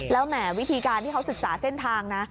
แล้วแหมวิธีการที่เขาศึกษาเส้นทางนะ